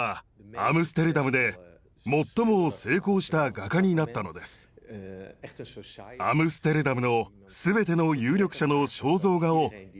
アムステルダムの全ての有力者の肖像画を描いたとまでいわれています。